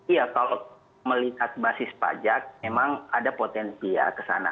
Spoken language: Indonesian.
iya kalau melihat basis pajak memang ada potensi ya kesana